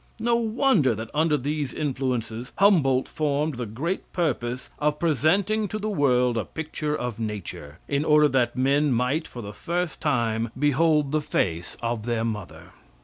No wonder that under these influences Humboldt formed the great purpose of presenting to the world a picture of nature, in order that men might, for the first time, behold the face of their Mother.